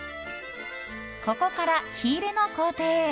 ここから、火入れの工程。